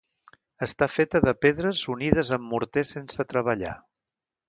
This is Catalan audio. Està feta de pedres unides amb morter sense treballar.